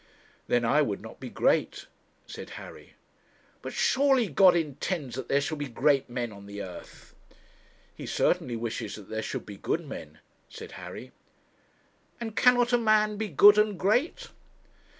'Then I would not be great,' said Harry. 'But, surely, God intends that there shall be great men on the earth?' 'He certainly wishes that there should be good men,' said Harry. 'And cannot a man be good and great?'